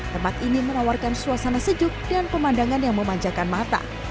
tempat ini menawarkan suasana sejuk dan pemandangan yang memanjakan mata